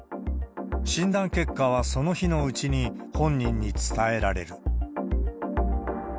診断結果はその日のうちに本人に伝えられる。